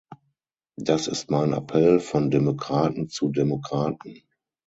Das ist mein Appell, von Demokraten zu Demokraten.